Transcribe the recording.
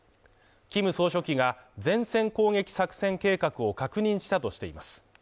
キム総書記が前線攻撃作戦計画を確認したとしています。